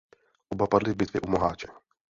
Oba padli v bitvě u Moháče.